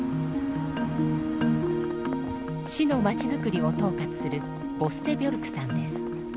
市のまちづくりを統括するボッセ・ビョルクさんです。